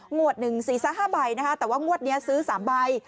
หมวด๑๔๕ใบแต่ว่าหมวดนี้ซื้อ๓ใบ